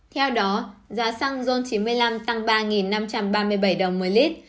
theo đó giá xăng ron chín mươi năm tăng ba năm trăm ba mươi bảy đồng một lít